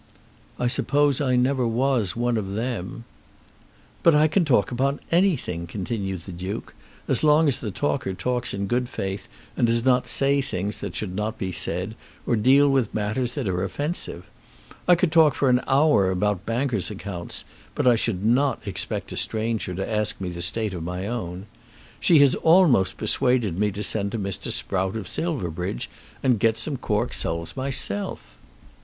"I suppose I never was one of them." "But I can talk upon anything," continued the Duke, "as long as the talker talks in good faith and does not say things that should not be said, or deal with matters that are offensive. I could talk for an hour about bankers' accounts, but I should not expect a stranger to ask me the state of my own. She has almost persuaded me to send to Mr. Sprout of Silverbridge and get some cork soles myself."